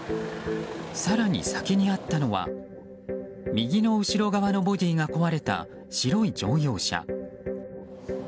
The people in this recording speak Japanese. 更に先にあったのは右の後ろ側のボディーが壊れた白い乗用車。